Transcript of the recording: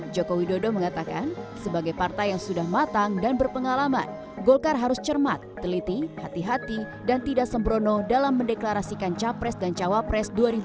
jokowi dodo mengatakan sebagai partai yang sudah matang dan berpengalaman golkar harus cermat teliti hati hati dan tidak sembrono dalam mendeklarasikan capres dan cawapres dua ribu dua puluh